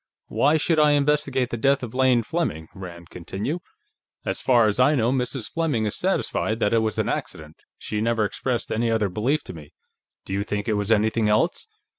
"Why should I investigate the death of Lane Fleming?" Rand continued. "As far as I know, Mrs. Fleming is satisfied that it was an accident. She never expressed any other belief to me. Do you think it was anything else?"